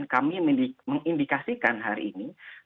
dan kami mengindikasikan hari ini